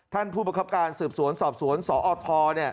ท่านผู้ประคับการสืบสวนสอบสวนสอท